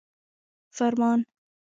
فرمان